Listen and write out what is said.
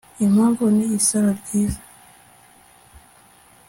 Impamvu ni isaro ryiza